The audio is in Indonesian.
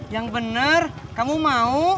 yang bener kamu mau